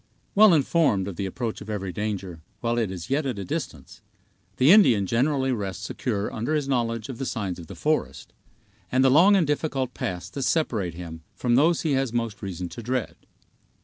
Well informed of the approach of every danger, while it is yet at a distance, the Indian generally rests secure under his knowledge of the signs of the forest, and the long and difficult paths that separate him from those he has most reason to dread.